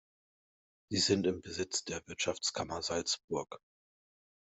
Sie sind im Besitz der Wirtschaftskammer Salzburg.